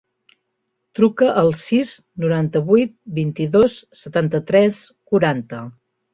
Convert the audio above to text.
Truca al sis, noranta-vuit, vint-i-dos, setanta-tres, quaranta.